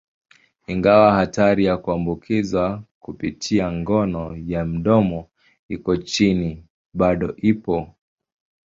Ingawa hatari ya kuambukizwa kupitia ngono ya mdomoni iko chini, bado ipo.